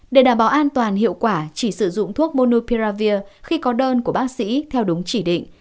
để đảm bảo an toàn hiệu quả chỉ sử dụng thuốc monupiravir khi có đơn của bác sĩ theo đúng chỉ định